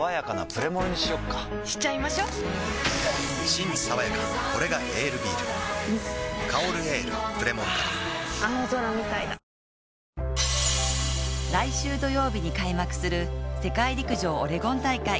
プレモルからはぁ青空みたいだ来週土曜日に開幕する世界陸上オレゴン大会。